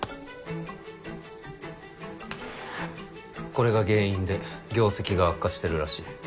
これが原因で業績が悪化してるらしい。